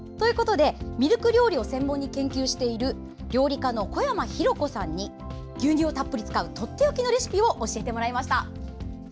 ミルク料理を専門に研究している料理家の小山浩子さんに牛乳をたっぷり使うとっておきのレシピを教えてもらいました。